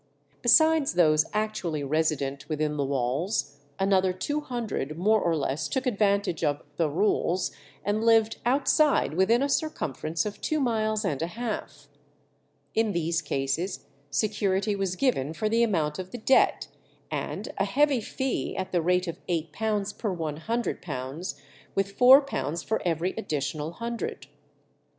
Besides those actually resident within the walls, another two hundred more or less took advantage of "the rules," and lived outside within a circumference of two miles and a half. In these cases security was given for the amount of the debt, and a heavy fee at the rate of £8 per £100, with £4 for every additional hundred.